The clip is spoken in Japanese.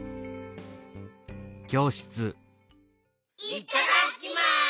いただきます！